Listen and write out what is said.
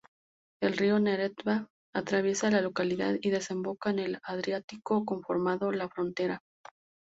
El río Neretva atraviesa la localidad y desemboca en el Adriático conformando la frontera.